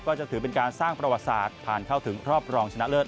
ก็จะถือเป็นการสร้างประวัติศาสตร์ผ่านเข้าถึงรอบรองชนะเลิศ